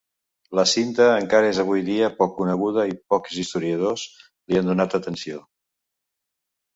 La cinta encara és avui dia poc coneguda i pocs historiadors li han donat atenció.